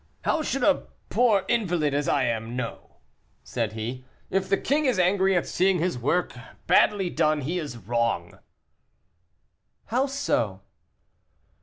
"How should a poor invalid, as I am, know?" said he. "If the king is angry at seeing his work badly done, he is wrong." "How so?"